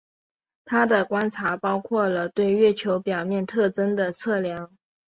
他的观察包括了对月球表面特征的测量。